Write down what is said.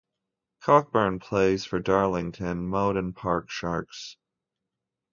Cockburn plays for Darlington Mowden Park Sharks.